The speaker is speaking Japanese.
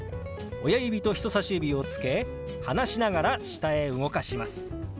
親指と人さし指をつけ離しながら下へ動かします。